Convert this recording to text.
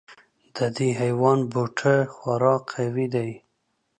د دې حیوان بوټه خورا قوي دی.